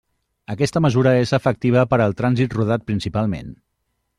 Aquesta mesura és efectiva per al trànsit rodat principalment.